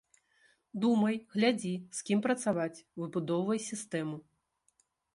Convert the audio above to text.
Думай, глядзі, з кім працаваць, выбудоўвай сістэму.